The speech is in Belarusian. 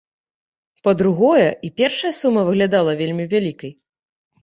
Па-другое, і першая сума выглядала вельмі вялікай.